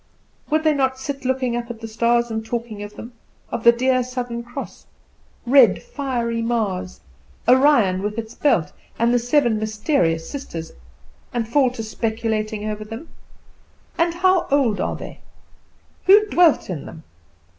Would they not sit looking up at the stars and talking of them of the dear Southern Cross, red, fiery Mars, Orion, with his belt, and the Seven Mysterious Sisters and fall to speculating over them? How old are they? Who dwelt in them?